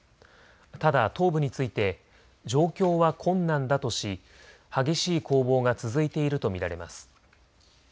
ただ東部について状況は困難だとし激しい攻防が続いていると見られます。